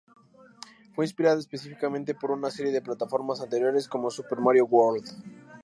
Fue inspirada específicamente por una serie de plataformas anteriores como Super Mario World.